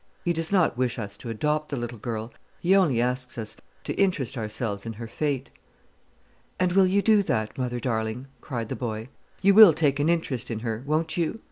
He does not wish us to adopt the little girl; he only asks us to interest ourselves in her fate." "And you will do that, mother darling?" cried the boy. "You will take an interest in her, won't you?